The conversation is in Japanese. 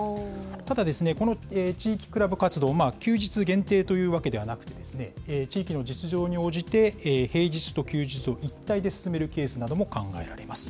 ただですね、この地域クラブ活動、休日限定というわけではなくてですね、地域の実情に応じて平日と休日を一体で進めるケースなども考えられます。